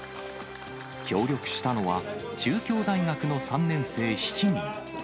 協力したのは、中京大学の３年生７人。